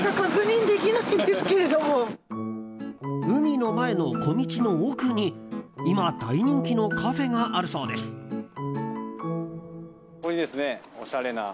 海の前の小道の奥に今、大人気のカフェがここにですね